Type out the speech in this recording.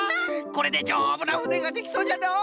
これでじょうぶなふねができそうじゃのう。